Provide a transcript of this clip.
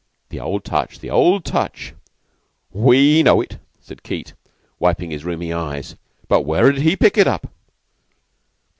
"The old touch the old touch. We know it," said Keyte, wiping his rheumy eyes. "But where did he pick it up?"